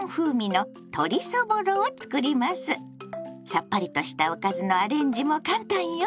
さっぱりとしたおかずのアレンジも簡単よ。